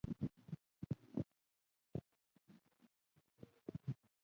دابدي وصل سندرې وایې